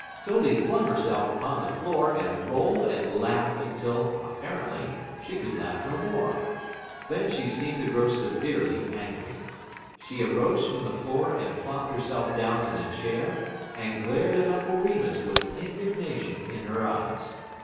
'Tildy flung herself upon the floor and rolled and laughed until, apparently, she could laugh no more. Then she seemed to grow severely angry. She arose from the floor and flopped herself down in a chair, and glared at Uncle Remus with indignation in her eyes.